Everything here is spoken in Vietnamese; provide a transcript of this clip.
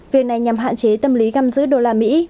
việc này nhằm hạn chế tâm lý găm giữ đô la mỹ